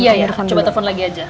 iya ya coba telfon lagi aja